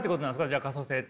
じゃあ可塑性って。